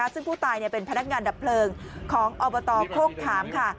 ซึ่งผู้ตายเป็นพนักงานดับเพลิงของอบตโคกขามค่ะ